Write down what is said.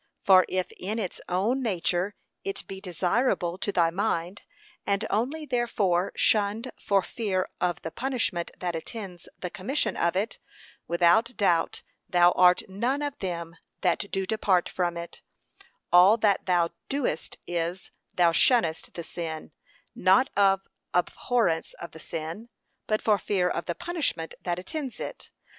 For if in its own nature it be desirable to thy mind, and only therefore shunned for fear of the punishment that attends the commission of it, without doubt thou art none of them that do depart from it; all that thou dost is, thou shunnest the sin, not of abhorrence of the sin, but for fear of the punishment that attends it.